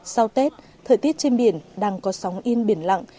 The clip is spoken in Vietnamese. sau tết thời tiết trên biển đang có sóng in biển lặng